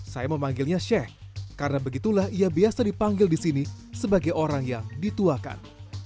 saya memanggilnya sheikh karena begitulah ia biasa dipanggil di sini sebagai orang yang dituakan